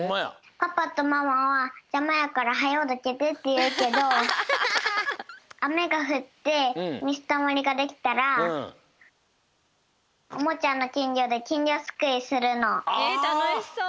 パパとママは「じゃまやからはよどけて」っていうけどあめがふってみずたまりができたらおもちゃのきんぎょでえたのしそう。